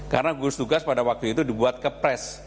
karena gugus tugas pada waktu itu dibuat kepres